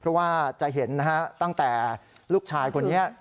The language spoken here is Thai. เพราะว่าจะเห็นนะฮะตั้งแต่ลูกชายคนนี้